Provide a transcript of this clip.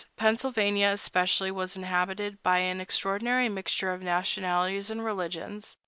Pennsylvania, especially, was inhabited by an extraordinary mixture of nationalities and religions.